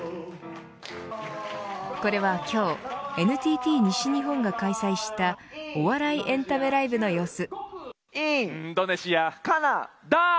これは今日ＮＴＴ西日本が開催したお笑いエンタメライブの様子。